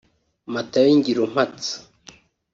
Matayo Ngirumpatse